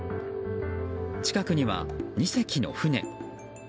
近くには２隻の船。